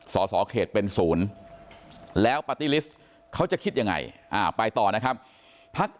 สสเขตเป็นศูนย์แล้วปาร์ตี้ลิสต์เขาจะคิดยังไงไปต่อนะครับพัก